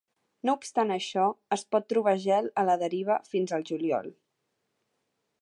No obstant això, es pot trobar gel a la deriva fins al juliol.